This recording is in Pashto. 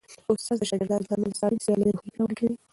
استاد د شاګردانو ترمنځ د سالمې سیالۍ روحیه پیاوړې کوي.